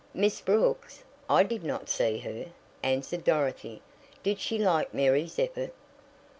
"Miss Brooks? I did not see her," answered Dorothy. "Did she like Mary's effort?"